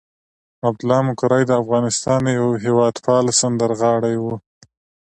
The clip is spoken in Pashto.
عبدالله مقری د افغانستان یو هېواد پاله سندرغاړی وو.